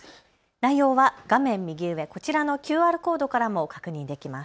内容は画面右上、こちらのＱＲコードからも確認できます。